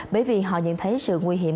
bởi vì họ nhận thấy sự nguy hiểm